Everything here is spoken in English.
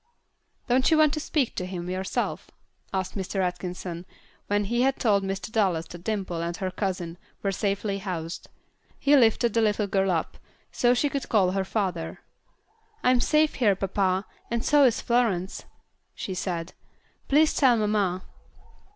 "Don't you want to speak to him yourself?" asked Mr. Atkinson, when he had told Mr. Dallas that Dimple and her cousin were safely housed. He lifted the little girl up so she could call her father. "I'm safe here, papa, and so is Florence," she said; "please tell mamma."